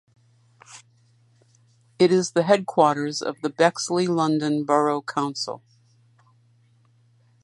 It is the headquarters of the Bexley London Borough Council.